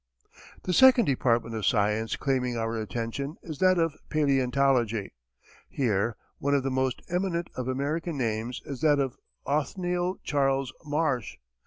The second department of science claiming our attention is that of paleontology. Here one of the most eminent of American names is that of Othniel Charles Marsh.